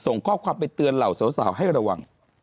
ส่งข้อความไปเตือนเหล่าสาวให้ระวัง